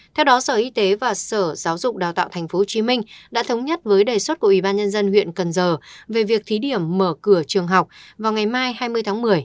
theo đó sở y tế và sở giáo dục đào tạo tp hcm đã thống nhất với đề xuất của ủy ban nhân dân huyện cần giờ về việc thí điểm mở cửa trường học vào ngày mai hai mươi tháng một mươi